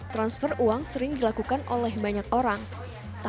transfer uang sering dilakukan oleh banyak orang